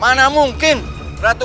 mau mampir aku